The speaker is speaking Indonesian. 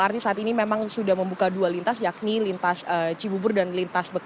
jadi lrt saat ini memang sudah membuka dua lintas yakni lintas cibubur dan lintas lrt